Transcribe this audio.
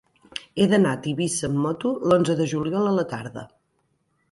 He d'anar a Tivissa amb moto l'onze de juliol a la tarda.